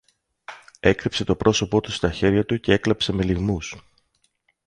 έκρυψε το πρόσωπο του στα χέρια του κι έκλαψε με λυγμούς.